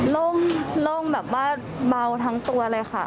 โล่งแบบว่าเบาทั้งตัวเลยค่ะ